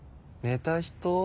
寝た人？